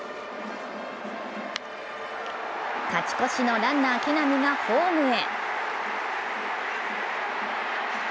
勝ち越しのランナー・木浪がホームへ。